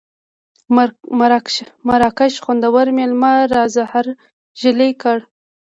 مراکش خوندوره مېله را زهرژلې کړه.